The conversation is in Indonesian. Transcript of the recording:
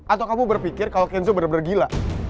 atau kamu berpikir kalau kenzo bener bener gila